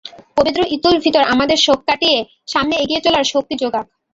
পবিত্র ঈদুল ফিতর আমাদের শোক কাটিয়ে সামনে এগিয়ে চলার শক্তি জোগাক।